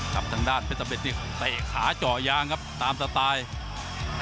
ทางด้านเพชรสำเร็จนี่เตะขาเจาะยางครับตามสไตล์